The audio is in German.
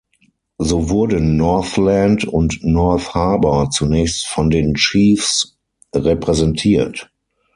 So wurden Northland und North Harbour zunächst von den Chiefs repräsentiert.